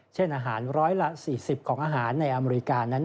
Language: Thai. อาหารร้อยละ๔๐ของอาหารในอเมริกานั้น